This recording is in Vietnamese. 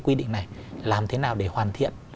quy định này làm thế nào để hoàn thiện